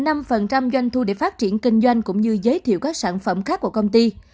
ông đãign nhận và giành năm doanh thu để phát triển kinh doanh cũng như giới thiệu các sản phẩm khác của công ty